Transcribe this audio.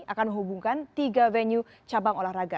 akan menghubungkan tiga venue cabang olahraga